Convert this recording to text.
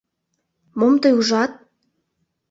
— Мом тый ужат?